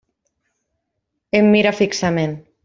Em mira fixament.